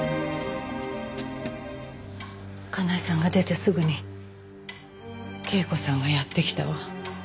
かなえさんが出てすぐに恵子さんがやって来たわ。